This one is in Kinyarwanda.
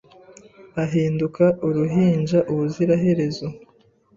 ahinduka uruhinja ubuziraherezo